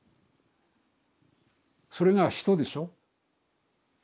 それが人でしょ。